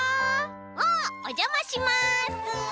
「おっおじゃまします。